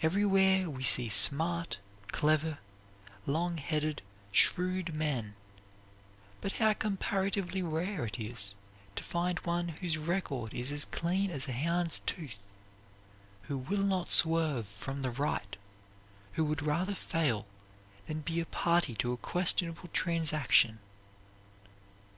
Everywhere we see smart, clever, longheaded, shrewd men, but how comparatively rare it is to find one whose record is as clean as a hound's tooth; who will not swerve from the right; who would rather fail than be a party to a questionable transaction!